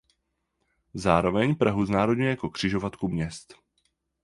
Zároveň Prahu znázorňuje jako křižovatku měst.